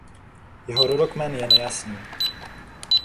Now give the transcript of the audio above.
Jeho rodokmen je nejasný.